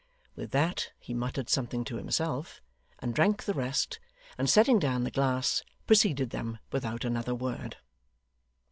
With that he muttered something to himself, and drank the rest, and setting down the glass, preceded them without another word.